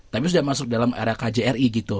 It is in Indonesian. tapi sudah masuk dalam era kjri gitu